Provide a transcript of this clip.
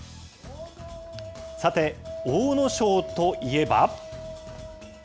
さて、阿武咲といえば。